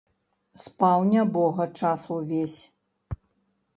Спаў, нябога, час увесь.